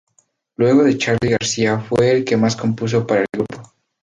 Luego de Charly García fue el que más compuso para el grupo.